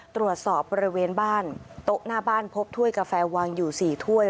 ตรวจสอบบริเวณบ้านโต๊ะหน้าบ้านพบถ้วยกาแฟวางอยู่๔ถ้วย